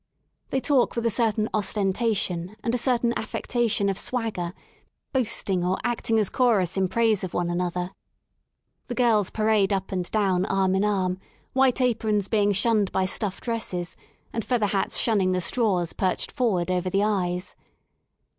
They talk with a certain ostentation and a certain affectation of swagger, boasting, or acting as chorus in praise of one another. The girls parade up 139 THE SOUL OF LONDON and down arm in arm, white aprons being shunned by stuff dresses, and feather hats shunning the straws perched forward over the eyes.